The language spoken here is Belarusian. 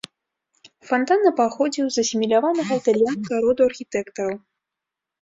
Фантана паходзіў з асіміляванага італьянскага роду архітэктараў.